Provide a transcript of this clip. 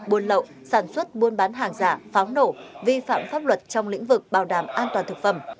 buôn lậu sản xuất buôn bán hàng giả pháo nổ vi phạm pháp luật trong lĩnh vực bảo đảm an toàn thực phẩm